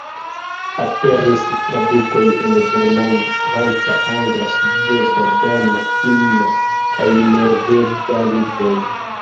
Aperis tradukoj en germana, franca, angla, sveda, dana, finna kaj norvega lingvoj.